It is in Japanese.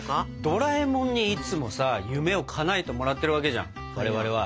ドラえもんにいつもさ夢をかなえてもらってるわけじゃん我々は。